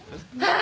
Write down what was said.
あ！